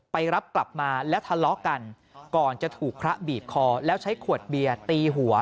ไปรับกลับมาและทะเลาะกันก่อนจะถูกพระบีบคอแล้วใช้ขวดเบียร์ตีหัว